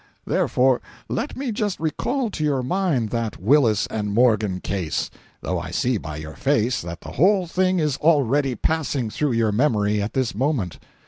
Therefore, let me just recall to your mind that Willis and Morgan case—though I see by your face that the whole thing is already passing through your memory at this moment.